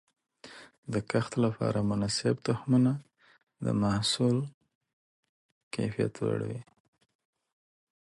د کښت لپاره مناسب تخمونه د محصول کیفیت لوړوي.